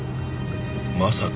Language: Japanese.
まさか。